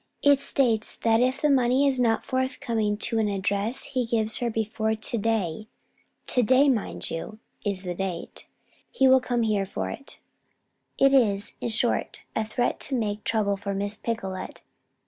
It states that if the money is not forthcoming to an address he gives her before to day to day, mind you, is the date he will come here for it. It is, in short, a threat to make trouble for Miss Picolet.